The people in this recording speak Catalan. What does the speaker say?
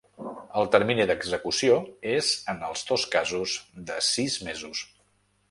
El termini d’execució és en els dos casos de sis mesos.